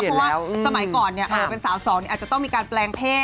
เพราะว่าสมัยก่อนเป็นสาวสองอาจจะต้องมีการแปลงเพศ